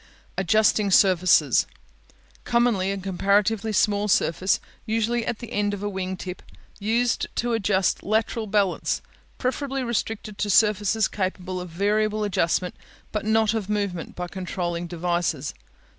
Adjusting Surfaces Commonly a comparatively small surface, usually at the end of a wing tip, used to adjust lateral balance; preferably restricted to surfaces capable of variable adjustment, but not of movement by controlling devices.